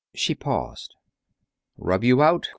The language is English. She paused. "Rub you out?